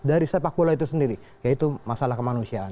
dari sepak bola itu sendiri yaitu masalah kemanusiaan